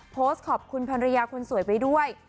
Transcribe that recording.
โพสต์ขอบคุณภรรยาคนสวยไปด้วย